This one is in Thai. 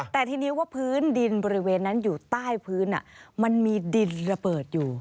แต่ทีนี้ว่าพื้นดินบริเวณนั้นอยู่ใต้พื้นมันมีดินระเบิดอยู่